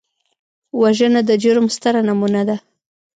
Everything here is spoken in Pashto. وژنه د جرم ستره نمونه ده